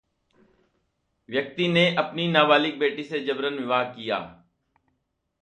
व्यक्ति ने अपनी नाबालिग बेटी से जबरन विवाह किया